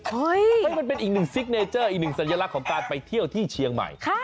เพราะมันเป็นอีกหนึ่งซิกเนเจอร์อีกหนึ่งสัญลักษณ์ของการไปเที่ยวที่เชียงใหม่